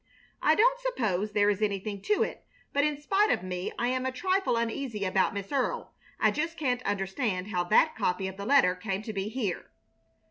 I don't suppose there is anything to it, but in spite of me I am a trifle uneasy about Miss Earle. I just can't understand how that copy of the letter came to be here."